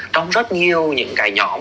trong rất nhiều những nhóm